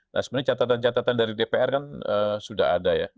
nah sebenarnya catatan catatan dari dpr kan sudah ada ya